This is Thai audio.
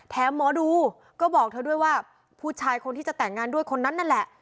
หมอดูก็บอกเธอด้วยว่าผู้ชายคนที่จะแต่งงานด้วยคนนั้นนั่นแหละ